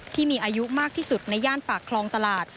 ที่มีอายุมากที่สุดในย่านปากคลองตลาด